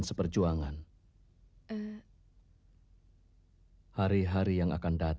saudara yang selamat